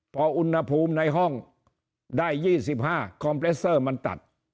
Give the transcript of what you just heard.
พออุณหภูมิในห้องได้๒๕คอมเปรสเซอร์มันตัด